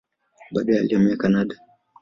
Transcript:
Baadaye alihamia Kanada.